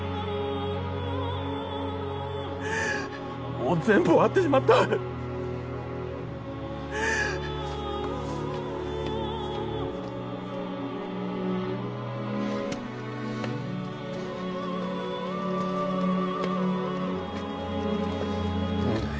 もう全部終わってしまったんだよ